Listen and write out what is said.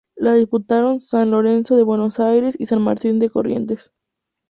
La disputaron San Lorenzo de Buenos Aires y San Martín de Corrientes.